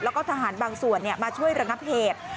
แล้วก็ทหารบางส่วนมาช่วยระงับเหตุ